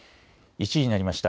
１時になりました。